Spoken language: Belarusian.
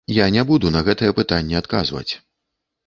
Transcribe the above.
Я не буду на гэтае пытанне адказваць.